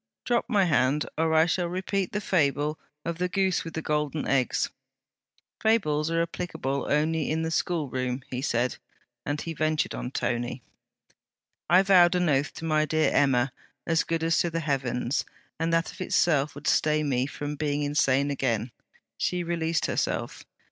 Drop my hand, or I shall repeat the fable of the Goose with the Golden Eggs.' 'Fables are applicable only in the school room,' said he; and he ventured on 'Tony!' 'I vowed an oath to my dear Emma as good as to the heavens! and that of itself would stay me from being insane again.' She released herself.